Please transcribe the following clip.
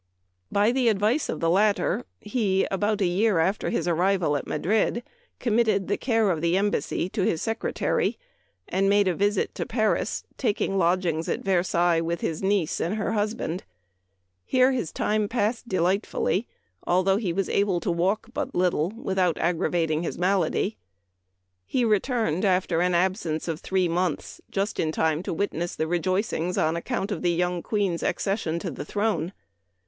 By the ad vice of the latter, he, about a year after his arrival at Madrid, committed the care of the Embassy to his Secretary and made a visit to Paris, taking lodgings at Versailles with his niece and her husband. Here his time passed delightfully, although he was able to walk but little without aggravating his malady. He returned, after an absence of three months, just in time to witness the rejoicings on account of the young Queen's accession to the throne.